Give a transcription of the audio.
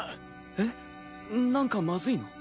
えっなんかまずいの？